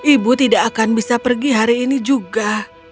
ibu tidak akan bisa pergi hari ini juga